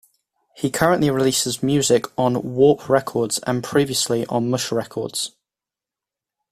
He currently releases music on Warp Records, and previously on Mush Records.